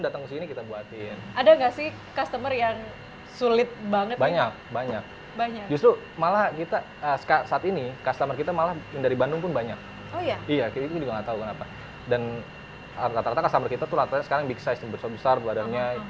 dan rata rata customer kita tuh rata rata sekarang big size besar besar badannya